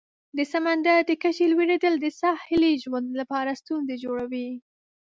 د سمندر د کچې لوړیدل د ساحلي ژوند لپاره ستونزې جوړوي.